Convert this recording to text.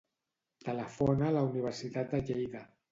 Telefona a la Universitat de Lleida.